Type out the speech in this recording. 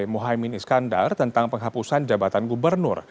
mohaimin iskandar tentang penghapusan jabatan gubernur